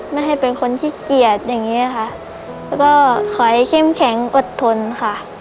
ไม่ให้เป็นคนขี้เกียจอย่างนี้ค่ะแล้วก็ขอให้เข้มแข็งอดทนค่ะ